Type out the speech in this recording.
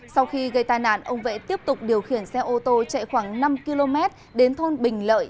sau khi gây tai nạn ông vệ tiếp tục điều khiển xe ô tô chạy khoảng năm km đến thôn bình lợi